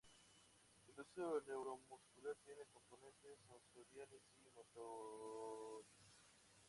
El huso neuromuscular tiene componentes sensoriales y motores.